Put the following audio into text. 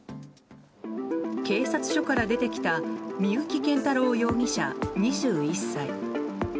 警察署から出てきた三幸謙太郎容疑者、２１歳。